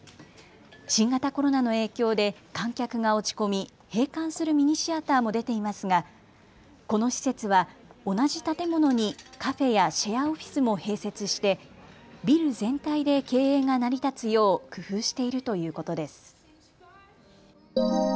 新型コロナの影響で観客が落ち込み閉館するミニシアターも出ていますがこの施設は同じ建物にカフェやシェアオフィスも併設してビル全体で経営が成り立つよう工夫しているということです。